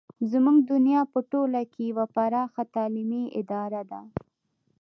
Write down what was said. زموږ دنیا په ټوله کې یوه پراخه تعلیمي اداره ده.